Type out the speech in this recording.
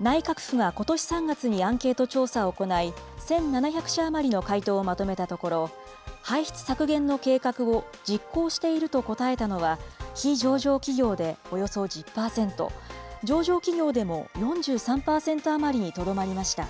内閣府がことし３月にアンケート調査を行い、１７００社余りの回答をまとめたところ、排出削減の計画を実行していると答えたのは、非上場企業でおよそ１０％、上場企業でも４３％余りにとどまりました。